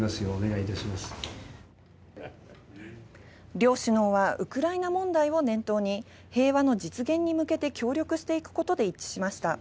両首脳はウクライナ問題を念頭に平和の実現に向けて協力していくことで一致しました。